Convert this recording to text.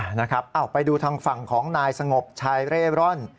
นะครับไปดูทางฝั่งของนายสงบชายเร่ร่อน